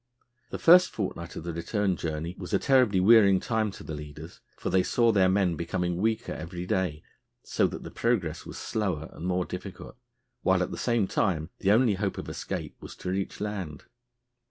The first fortnight of the return journey was a terribly wearying time to the leaders, for they saw their men becoming weaker every day, so that the progress was slower and more difficult, while at the same time the only hope of escape was to reach land.